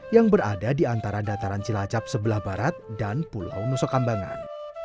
yang berada di antara dataran cilacap sebelah barat dan pulau nusa kambangan